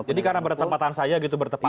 jadi karena bertempatan saya gitu bertempatan